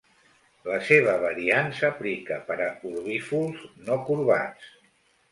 La seva variant s'aplica per a orbifolds no corbats.